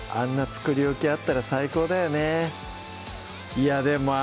作り置きあったら最高だよね